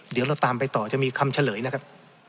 เดี๋ยวเราตามไปต่อจะมีคำเฉลยนะครับ